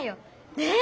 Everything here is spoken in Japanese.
ねえ！